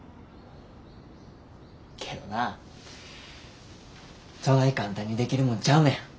けどなそない簡単にできるもんちゃうねん。